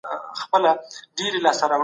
هغه پانګونه چې دولت یې کوي، ګټوره ده.